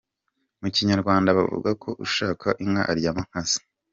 Mu Kinyarwanda bavuga ko ushaka inka aryama nkazo.